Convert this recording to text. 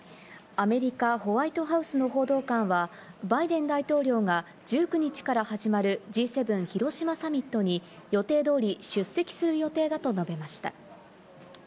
アメリカ、ホワイトハウスの報道官は、バイデン大統領が１９日から始まるＧ７広島サミットに予定通り出席する予定だと述べました。